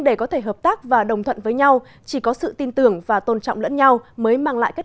để có thể hợp tác và đồng thuận với nhau chỉ có sự tin tưởng và tôn trọng lẫn nhau mới mang lại kết